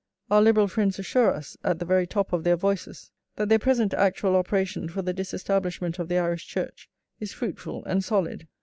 Our Liberal friends assure us, at the very top of their voices, that their present actual operation for the disestablishment of the Irish Church is fruitful and solid.